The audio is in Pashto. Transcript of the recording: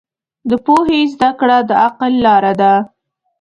د پوهې زده کړه د عقل لاره ده.